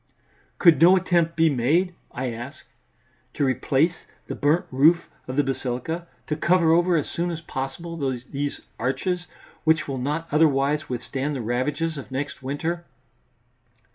"Could no attempt be made," I ask, "to replace the burnt roof of the basilica, to cover over as soon as possible these arches, which will not otherwise withstand the ravages of next winter?"